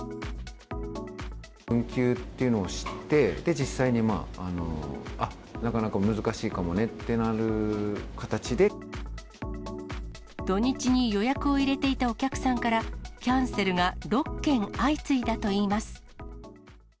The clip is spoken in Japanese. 運休っていうのを知って、実際にあっ、なかなか難しいかもねってなる形で。土日に予約を入れていたお客さんから、キャンセルが６件相次いだといいます。